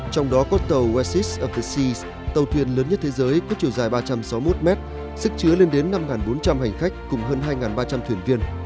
trong đó có tàu west coast of the seas tàu thuyền lớn nhất thế giới có chiều dài ba trăm sáu mươi một m sức chứa lên đến năm bốn trăm linh hành khách cùng hơn hai ba trăm linh thuyền viên